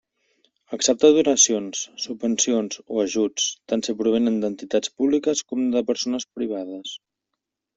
Acceptar donacions, subvencions o ajuts, tant si provenen d'entitats públiques com de persones privades.